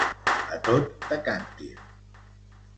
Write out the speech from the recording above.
A tot de càntir.